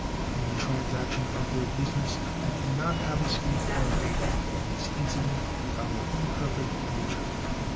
In the transaction of their business I can not have escaped error. It is incident to our imperfect nature.